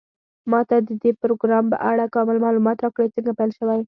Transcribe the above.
ما ته د دې پروګرام په اړه کامل معلومات راکړئ څنګه پیل شوی